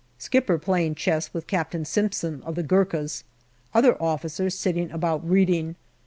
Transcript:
Skipper playing chess with Captain Simpson of the Gurkhas. Other officers sitting about reading.